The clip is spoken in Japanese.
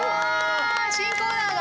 新コーナーだ。